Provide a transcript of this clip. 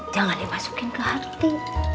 jangan dimasukin ke hati